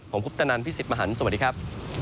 ผมคุปตะนันพี่สิทธิ์มหันฯสวัสดีครับ